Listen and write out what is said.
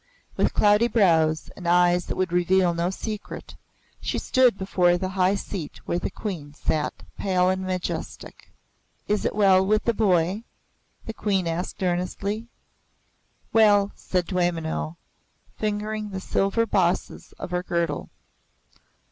With cloudy brows and eyes that would reveal no secret, she stood before the high seat where the Queen sat pale and majestic. "Is it well with the boy?" the Queen asked earnestly. "Well," said Dwaymenau, fingering the silver bosses of her girdle.